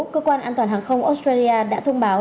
cơ quan an toàn hàng không australia đã thông báo